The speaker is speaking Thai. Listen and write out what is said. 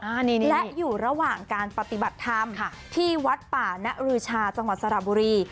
อันนี้และอยู่ระหว่างการปฏิบัติธรรมค่ะที่วัดป่านรือชาจังหวัดสระบุรี